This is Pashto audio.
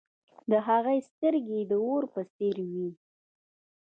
د هغه سترګې د اور په څیر وې.